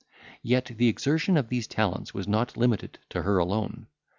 Yet the exertion of these talents was not limited to her alone.